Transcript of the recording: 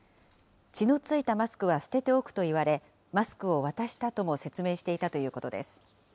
血のついたマスクは捨てておくと言われ、マスクを渡したとも説明していたということです。